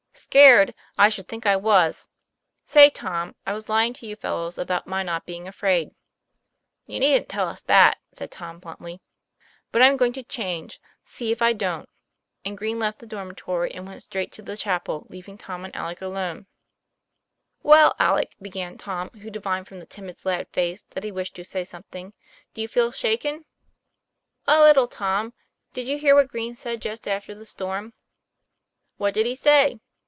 "Scared! I should think I was. Say, Tom, I was lying to you fellows about my not being afraid." "You needn't tell us that," said Tom bluntly. "But I'm going to change; see if I don't." And Green left the dormitory and went straight to the chapel, leaving Tom and Alec alone. TOM PLAYFAIR. 109 "Well, Alec," began Tom, who divined from the timid lad's face that he wished to say something, " do you feel shaken ?" "A little, Tom. Did you hear what Green said just after the storm?" "What did he say?"